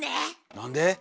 なんで？